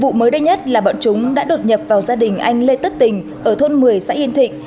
vụ mới đây nhất là bọn chúng đã đột nhập vào gia đình anh lê tất tình ở thôn một mươi xã yên thịnh